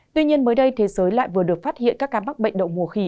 tuy nhiên mới đây thế giới lại vừa được phát hiện các ca mắc bệnh đậu mùa khỉ